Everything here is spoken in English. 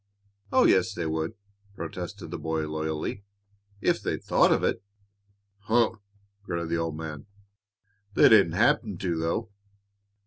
"Oh, yes, they would!" protested the boy, loyally, "if they'd thought of it." "Humph!" grunted the old man. "They didn't happen to, though."